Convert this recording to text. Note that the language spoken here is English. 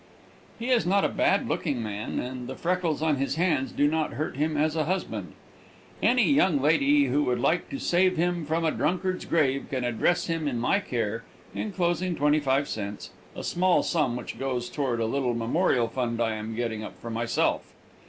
He is not a bad looking man, and the freckles on his hands do not hurt him as a husband. Any young lady who would like to save him from a drunkard's grave can address him in my care, inclosing twenty five cents, a small sum which goes toward a little memorial fund I am getting up for myself.